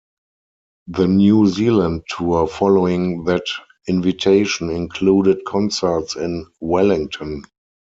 The New Zealand tour following that invitation included concerts in Wellington.